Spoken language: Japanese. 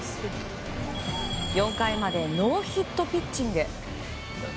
４回までノーヒットピッチング。